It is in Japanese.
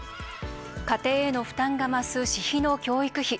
家庭への負担が増す私費の教育費